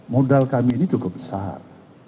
modal kami ini cukup besar